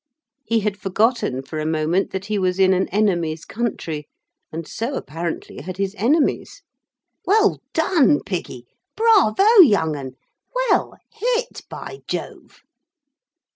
He had forgotten for a moment that he was in an enemies' country, and so, apparently, had his enemies. 'Well done, Piggy! Bravo, young 'un! Well hit, by Jove!'